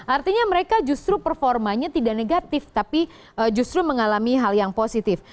artinya mereka justru performanya tidak negatif tapi justru mengalami hal yang positif